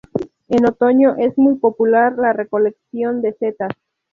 En otoño es muy popular la recolección de setas.